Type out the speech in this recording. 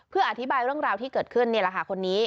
เพื่ออธิบายเรื่องราวที่เกิดขึ้นนี่แหละค่ะคนนี้